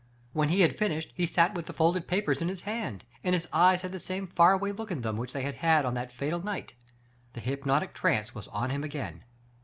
When he had finished he sat with the folded paper in his hand, and his eyes had the same far away look in them which they had had on that fatal night. The hypnotic trance was on him again.